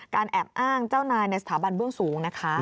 แอบอ้างเจ้านายในสถาบันเบื้องสูงนะคะ